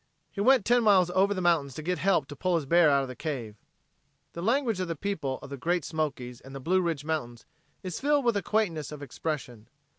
He went ten miles over the mountains to get help to pull his bear out of the cave. The language of the people of the Great Smokies and the Blue Ridge mountains is filled with a quaintness of expression.